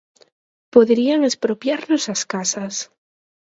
Poderían expropiarnos as casas.